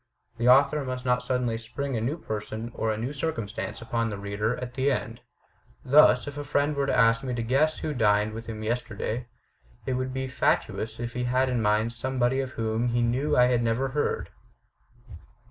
The author must not suddenly spring a new person or a new circumstance upon the reader at the end. Thus, if a friend were to ask me to guess who dined with him yesterday, it would be fatuous if he had in mind somebody of whom he knew I had never heard."